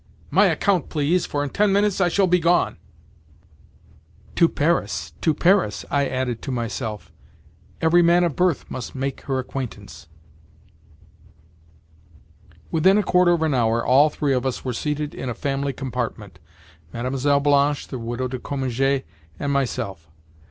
"My account, please, for in ten minutes I shall be gone." "To Paris, to Paris!" I added to myself. "Every man of birth must make her acquaintance." Within a quarter of an hour all three of us were seated in a family compartment—Mlle. Blanche, the Widow de Cominges, and myself.